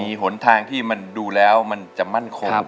มีหนทางที่มันดูแล้วมันจะมั่นคง